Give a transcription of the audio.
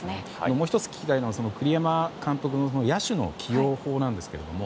もう１つ聞きたいのは栗山監督の野手の起用法なんですけども。